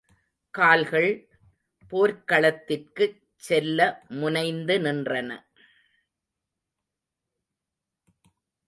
கால்கள் போர்க்களத்திற்கு செல்ல முனைந்து நின்றன.